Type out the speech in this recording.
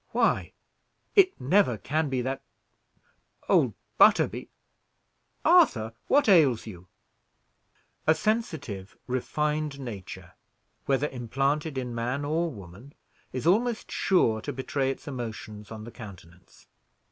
"Why it never can be that old Butterby Arthur, what ails you?" A sensitive, refined nature, whether implanted in man or woman, is almost sure to betray its emotions on the countenance.